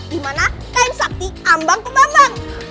dimana kain sakti ambang pembambang